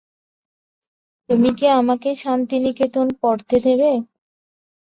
তুমি কি আমাকে শান্তিনিকেতনে পড়তে দেবে?